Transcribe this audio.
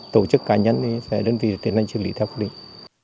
tổ chức cá nhân sẽ đơn vị tiến hành chức lý theo quy định